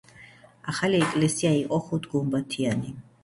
ახალი ეკლესია იყო ხუთგუმბათიანი.